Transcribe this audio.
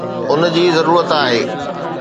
ان جي ضرورت آهي؟